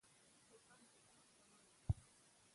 توپان به سخت تمام شی